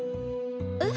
え？